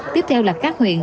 tiếp theo là các huyện